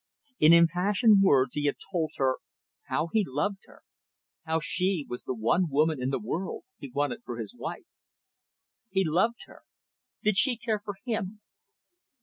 In impassioned words he had told her how he loved her, how she was the one woman in the world he wanted for his wife. He loved her. Did she care for him?